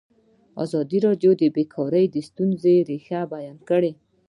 ازادي راډیو د بیکاري د ستونزو رېښه بیان کړې.